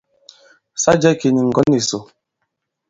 Sa jɛ̄ kì nì ŋgǒŋ ìsò.